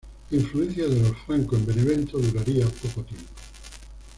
La influencia de los Francos en Benevento duraría poco tiempo.